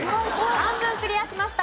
半分クリアしました。